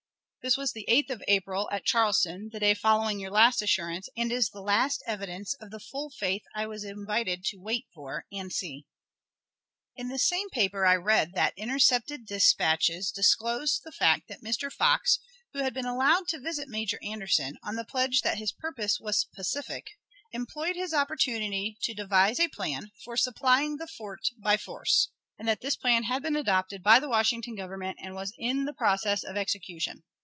This was the 8th of April, at Charleston, the day following your last assurance, and is the last evidence of the full faith I was invited to wait for and see. In the same paper I read that intercepted dispatches disclosed the fact that Mr. Fox, who had been allowed to visit Major Anderson, on the pledge that his purpose was pacific, employed his opportunity to devise a plan for supplying the fort by force, and that this plan had been adopted by the Washington Government, and was in process of execution.